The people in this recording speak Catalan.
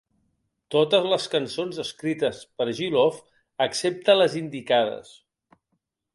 Totes les cançons escrites per G. Love, excepte les indicades.